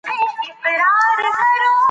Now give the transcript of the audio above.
آیا ته د خپل راتلونکي لپاره انټرنیټ کاروې؟